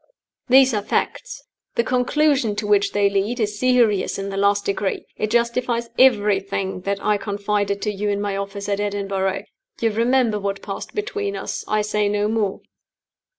"These are facts. The conclusion to which they lead is serious in the last degree. It justifies everything that I confided to you in my office at Edinburgh. You remember what passed between us. I say no more.